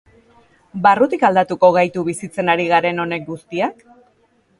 Barrutik aldatuko gaitu bizitzen ari garen honek guztiak?